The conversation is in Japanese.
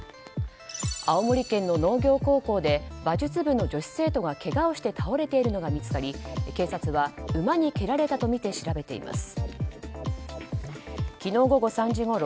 青森県の農業高校で馬術部の女子生徒が、けがをして倒れているのが見つかり警察は馬に蹴られたとみて調べています。